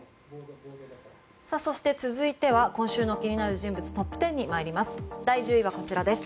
そして、続いては今週の気になる人物トップ１０に参ります。